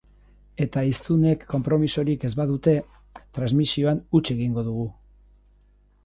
Eta hiztunek konpromisorik ez badute, transmisioan huts egingo dugu.